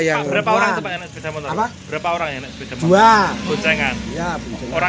berapa orang yang sepeda motor